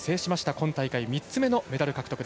今大会３つ目のメダル獲得。